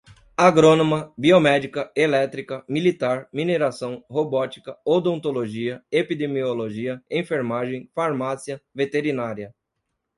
agrônoma, biomédica, elétrica, militar, mineração, robótica, odontologia, epidemiologia, enfermagem, farmácia, veterinária